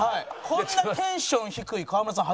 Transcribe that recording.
こんなテンション低い河村さん